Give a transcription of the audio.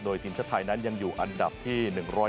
ทีมชาติไทยนั้นยังอยู่อันดับที่๑๒